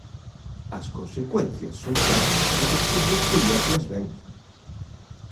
As consecuencias son claras e vostede coñéceas ben.